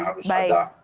harus ada baik